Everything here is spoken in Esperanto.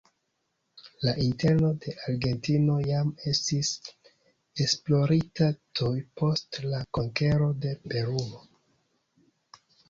La interno de Argentino jam estis esplorita tuj post la konkero de Peruo.